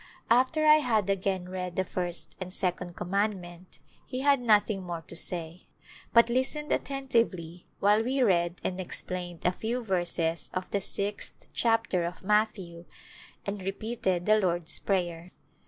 After I had again read the first and second Com mandment he had nothing more to say, but listened attentively while we read and explained a few verses of the sixth chapter of Matthew and repeated the Lord's Prayer.